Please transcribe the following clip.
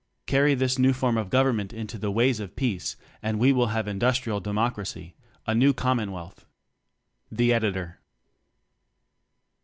Carry this new form of government into the days of peace and we will have industrial democracy a new common wealth. Editor.